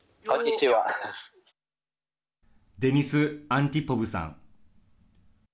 デニス・アンティポブさん。